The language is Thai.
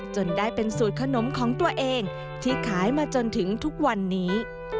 จนได้เป็นสูตรขนมของตัวเองที่ขายมาจนถึงทุกวันนี้